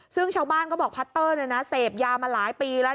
ซึ่งชาวบ้านก็บอกพัตเตอร์เสพยามาหลายปีแล้ว